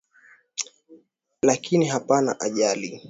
Lakini hapana ajali.